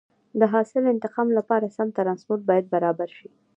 د حاصل انتقال لپاره سم ترانسپورت باید برابر شي.